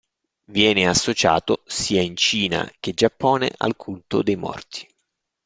Viene associato, sia in Cina che Giappone, al culto dei morti.